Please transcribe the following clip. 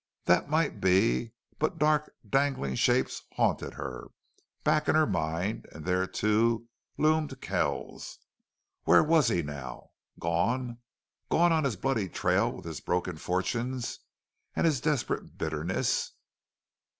That might be, but dark, dangling shapes haunted her, back in her mind, and there, too, loomed Kells. Where was he now? Gone gone on his bloody trail with his broken fortunes and his desperate bitterness!